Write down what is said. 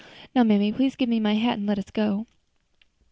Now, mammy, please give me my hat and let us go."